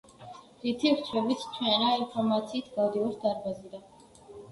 რითი ვრჩებით ჩვენ, რა ინფორმაციით გავდივართ დარბაზიდან.